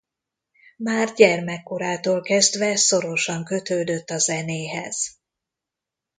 Már gyermekkorától kezdve szorosan kötődött a zenéhez.